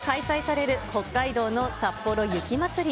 来月４日から開催される、北海道のさっぽろ雪まつり。